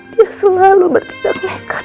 dia selalu bertindak nekat